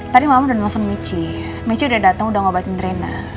tadi mama udah nelfon michi michi udah datang udah ngobatin rena